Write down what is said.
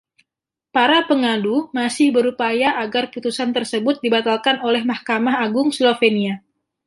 Para pengadu masih berupaya agar putusan tersebut dibatalkan oleh Mahkamah Agung Slovenia.